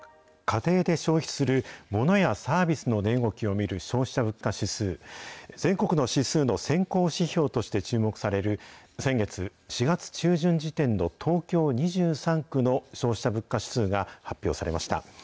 家庭で消費するモノやサービスの値動きを見る消費者物価指数、全国の指数の先行指標として注目される、先月・４月中旬時点の東京２３区の消費者物価指数が発表されました。